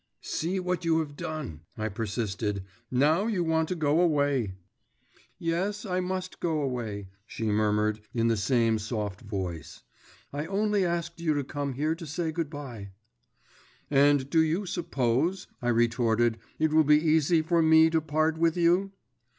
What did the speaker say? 'See what you have done,' I persisted. 'Now you want to go away.…' 'Yes, I must go away,' she murmured in the same soft voice. 'I only asked you to come here to say good bye.' 'And do you suppose,' I retorted, 'it will be easy for me to part with you?